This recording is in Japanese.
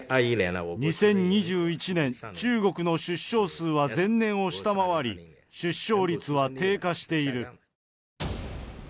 ２０２１年、中国の出生数は前年を下回り、出生率は低下している。